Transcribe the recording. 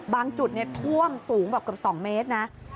บางจุดท่วงสูงแบบกับ๒เมตรนะ